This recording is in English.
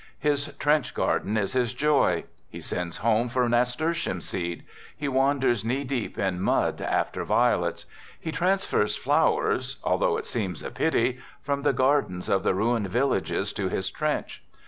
His trench garden is his joy. He sends home for nasturtium seed. He wanders knee deep in mud after violets. He transfers flowers — although " it seems a pity "—from the gardens of the ruined villages to his trench.